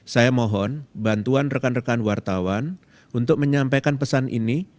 saya mohon bantuan rekan rekan wartawan untuk menyampaikan pesan ini